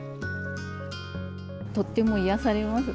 とっても癒やされます。